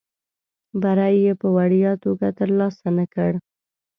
بری یې په وړیا توګه ترلاسه نه کړ.